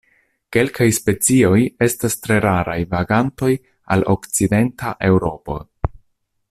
Kelkaj specioj estas tre raraj vagantoj al okcidenta Eŭropo.